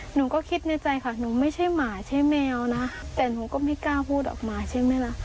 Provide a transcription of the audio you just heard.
หนูก็คิดในใจค่ะหนูไม่ใช่หมาใช่แมวนะแต่หนูก็ไม่กล้าพูดออกมาใช่ไหมล่ะ